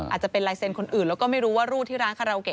อาจจะเป็นลายเซ็นต์คนอื่นแล้วก็ไม่รู้ว่ารูดที่ร้านคาราโอเกะ